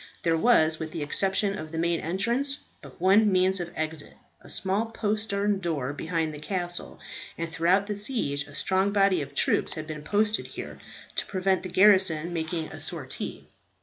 There was, with the exception of the main entrance, but one means of exit, a small postern door behind the castle, and throughout the siege a strong body of troops had been posted here, to prevent the garrison making a sortie.